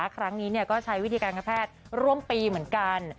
ครั้งนี้ก็ใช้วิธีการกระแพทย์ร่วมปีเหมือนกัน